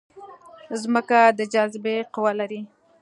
ځمکه د جاذبې قوه لري